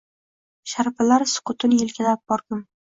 Sharpalar sukutin yelkalab borgum…